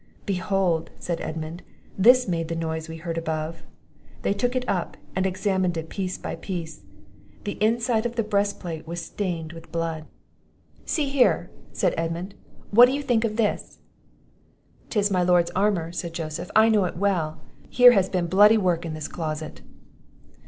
"Behold!" said Edmund; "this made the noise we heard above." They took it up, and examined it piece by piece; the inside of the breast plate was stained with blood. "See here!" said Edmund; "what think you of this?" "'Tis my Lord's armour," said Joseph; "I know it well here has been bloody work in this closet!"